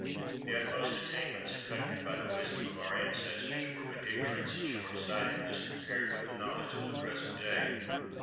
The utmost attainments effected by the wisdom of our ancestors were but ignorance and short sightedness compared with the knowledge of the present day.